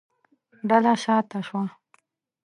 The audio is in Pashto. ډله شا ته شوه.